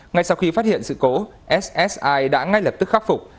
ngay sau khi phát hiện sự cố ssi đã ngay lập tức khắc phục